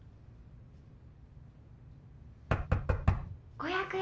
５００円。